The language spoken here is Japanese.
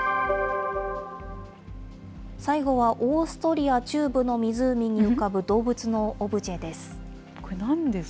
最後はオーストリア中部の湖に浮かぶ動物のオブジェです。